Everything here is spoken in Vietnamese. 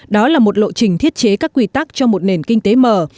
đó là một lộ trình thiết chế các quy tắc cho một nền kinh tế hiện đại